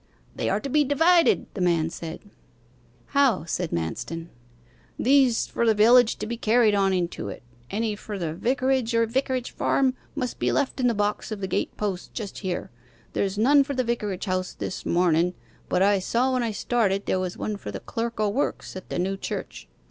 'They are to be divided,' the man said. 'How?' said Manston. 'These, for the village, to be carried on into it: any for the vicarage or vicarage farm must be left in the box of the gate post just here. There's none for the vicarage house this mornen, but I saw when I started there was one for the clerk o' works at the new church.